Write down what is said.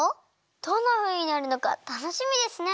どんなふうになるのかたのしみですね！